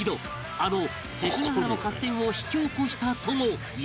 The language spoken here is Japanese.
あの関ヶ原の合戦を引き起こしたともいわれている